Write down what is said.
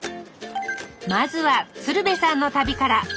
まずは鶴瓶さんの旅から。